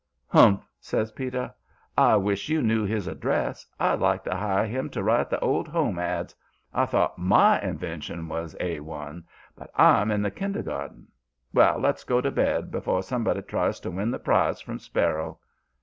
"Humph!" says Peter. "I wish you knew his address. I'd like to hire him to write the Old Home ads. I thought MY invention was A 1, but I'm in the kindergarten. Well, let's go to bed before somebody tries to win the prize from Sparrow."